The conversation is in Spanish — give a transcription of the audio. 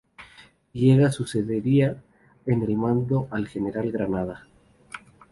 Villegas sucedería en el mando al general Granada.